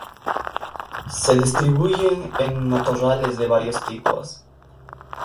Se distribuyen en matorrales de varios tipos.